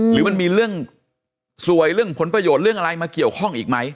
หรือมันมีเรื่องสวยเรื่องผลประโยชน์เรื่องอะไรมาเกี่ยวข้องอีกไหม